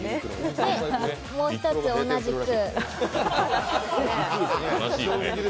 もう一つ同じく。